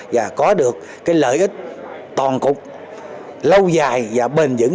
và có được lợi ích toàn cục lâu dài và bền dững